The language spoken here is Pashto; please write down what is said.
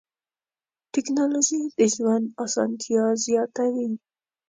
ټکنالوجي د ژوند اسانتیا زیاتوي.